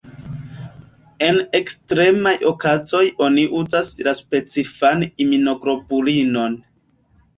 En ekstremaj okazoj oni uzas la specifan imunoglobulinon.